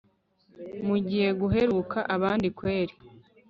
mugiye guheruka abandi kweri